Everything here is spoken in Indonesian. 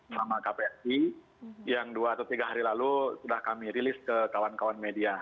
sama kpsi yang dua atau tiga hari lalu sudah kami rilis ke kawan kawan media